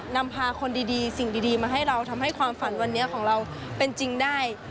นำพาคนดีสิ่งดีมาให้เราทำให้ความฝันวันนี้ของเราเป็นจริงได้